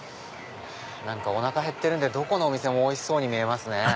おなかへってるんでどこの店もおいしそうに見えますね。